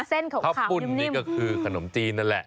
เส้นขาวนิ่มคุณข้าวพุนนี่ก็คือขนมจีนนั่นแหละ